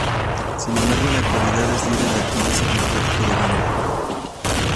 Sin embargo, en la actualidad es líder del Congreso Democrático de Gambia.